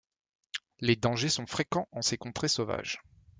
Les dangers sont fréquents en ces contrées sauvages.